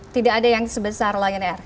tidak ada yang sebesar lion air